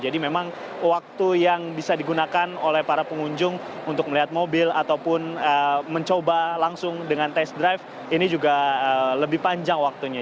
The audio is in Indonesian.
jadi memang waktu yang bisa digunakan oleh para pengunjung untuk melihat mobil ataupun mencoba langsung dengan test drive ini juga lebih panjang waktunya